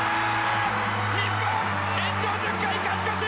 日本、延長１０回勝ち越し。